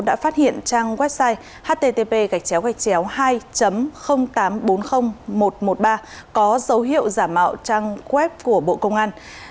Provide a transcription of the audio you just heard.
đã phát hiện trang website http hai tám trăm bốn mươi nghìn một trăm một mươi ba có dấu hiệu giả mạo trang web của bộ công an